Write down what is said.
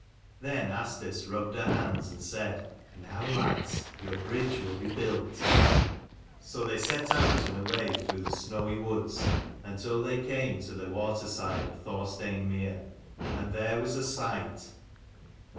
Then Asdis rubbed her hands and said, " Now, lads, your bridge will be built." So they set out and away through the snowy KK 273 woods until they came to the waterside of Thurston mere ; and there was a sight.